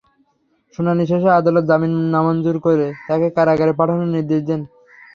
শুনানি শেষে আদালত জামিন নামঞ্জুর করে তাঁকে কারাগারে পাঠানোর নির্দেশ দেন।